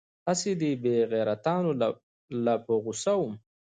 هسې دې بې غيرتانو له په غوسه وم.